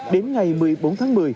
đến ngày một mươi bốn tháng một mươi